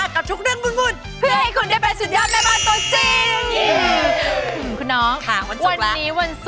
ขอบคุณน้องค่ะวันศุกร์แล้ว